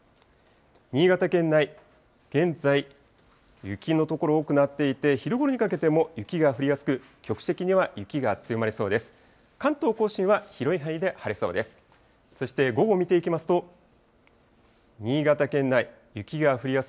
新潟県内、現在雪の所、多くなっていて、昼ごろにかけても雪が降りやすく、局地的には雪が強まりそうです。